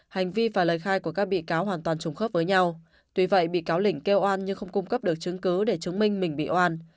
hành vi và lời khai của các bị cáo hoàn toàn trùng khớp với nhau tuy vậy bị cáo lịnh kêu oan nhưng không cung cấp được chứng cứ để chứng minh mình bị oan